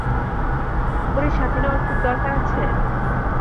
ওরে সাথে নেওয়ার খুব দরকার আছে?